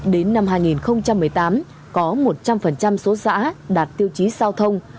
đến năm hai nghìn một mươi tám có một trăm linh số xã đạt tiêu chí giao thông